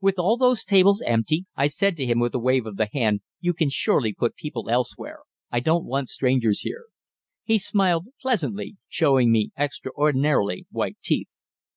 "With all those tables empty," I said to him with a wave of the hand, "you can surely put people elsewhere. I don't want strangers here." He smiled pleasantly, showing extraordinarily white teeth.